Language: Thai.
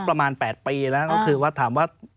ประมาณ๘ปีแล้วก็คือว่าถามว่า